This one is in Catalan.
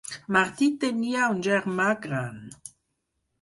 Martí tenia un germà gran.